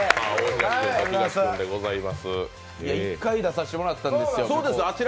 一回出させてもらったんです。